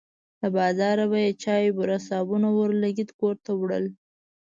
له بازاره به یې چای، بوره، صابون او اورلګیت کور ته وړل.